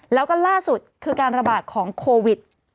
แล้วก็ล่าสุดคือการระบาดของโควิด